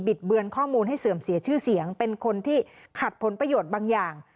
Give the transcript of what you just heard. ดเบือนข้อมูลให้เสื่อมเสียชื่อเสียงเป็นคนที่ขัดผลประโยชน์บางอย่าง